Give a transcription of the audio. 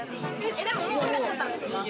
でももうわかっちゃったんですか？